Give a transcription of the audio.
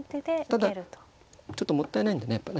ただちょっともったいないんでねやっぱね。